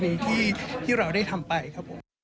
มาพูดข้อ